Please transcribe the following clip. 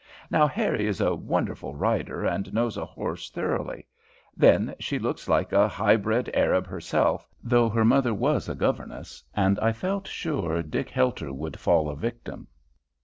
Now Harrie is a wonderful rider, and knows a horse thoroughly. Then she looks like a high bred Arab herself, though her mother was a governess, and I felt sure Dick Helter would fall a victim.